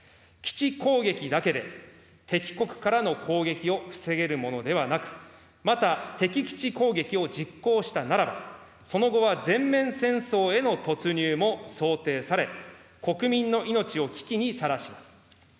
基地攻撃だけで、敵国からの攻撃を防げるものではなく、また敵基地攻撃を実行したならば、その後は全面戦争への突入も想定され、国民の命を危機にさらします。